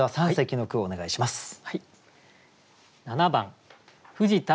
二席の句お願いします。